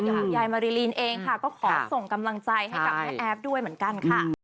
คุณยายมาริลินเองค่ะก็ขอส่งกำลังใจให้กับแม่แอฟด้วยเหมือนกันค่ะ